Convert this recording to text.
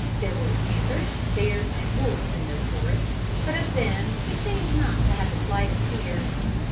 There were panthers, bears and wolves in those forests, but of them he seemed not to have the slightest fear.